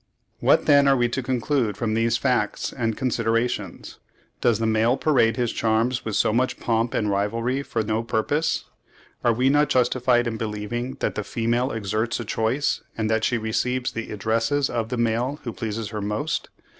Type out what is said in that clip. What then are we to conclude from these facts and considerations? Does the male parade his charms with so much pomp and rivalry for no purpose? Are we not justified in believing that the female exerts a choice, and that she receives the addresses of the male who pleases her most?